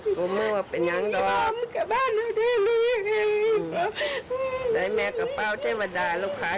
เอาล่ะเอาล่ะเอาล่ะทำใจทำใจ